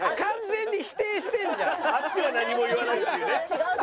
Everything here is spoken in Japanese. あっちは何も言わないっていうね。